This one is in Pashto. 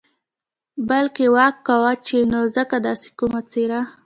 بلکې ورک کاوه یې نو ځکه داسې کومه څېره.